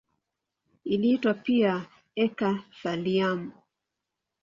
Iliitwa pia eka-thallium.